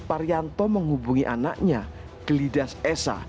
parianto menghubungi anaknya gelidas esa